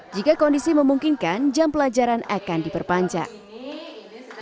jika kondisi memungkinkan jam pelajaran akan diperpanjang